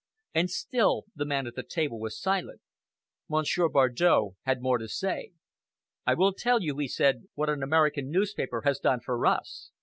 And still the man at the table was silent. Monsieur Bardow had more to say. "I will tell you," he said, "what an American newspaper has done for us.